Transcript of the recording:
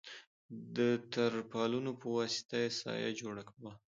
د تر پالونو په وسطه سایه جوړه وه.